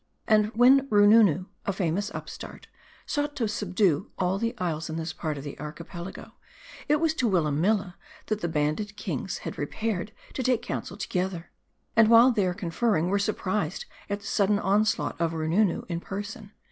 And when Roonoonoo, a famous upstart, sought to subdue all the isles in this part of the Archipelago, it was to Willamilla that the banded kings had repaired to take counsel together ; and while there conferring, were surprised at the sudden onslaught of Roo noonoo in person.